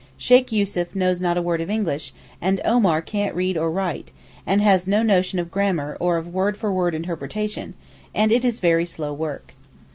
Sheykh Yussuf knows not a word of English, and Omar can't read or write, and has no notion of grammar or of word for word interpretation, and it is very slow work.